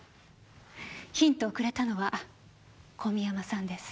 ヒントをくれたのは小宮山さんです。